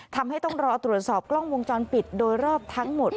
ต้องรอตรวจสอบกล้องวงจรปิดโดยรอบทั้งหมด